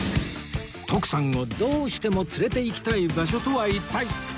徳さんをどうしても連れて行きたい場所とは一体